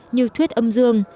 như thuyết âm dương